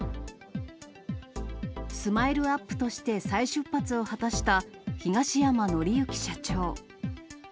スマイルアップとして再出発を果たした東山紀之社長。